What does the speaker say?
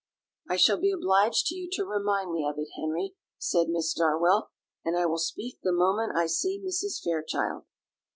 "I shall be obliged to you to remind me of it, Henry," said Miss Darwell; "and I will speak the moment I see Mrs. Fairchild."